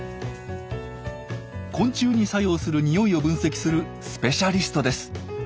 昆虫に作用する匂いを分析するスペシャリストです。